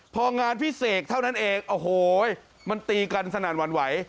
พองานพิเศษเท่านั้นเองโอ้โหมันตีกันสนั่นหวั่นไหว